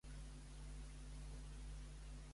Té només a Catalunya com a nació?